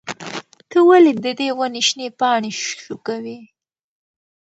ته ولې د دې ونې شنې پاڼې شوکوې؟